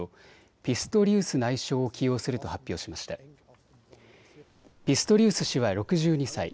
ピストリウス氏は６２歳。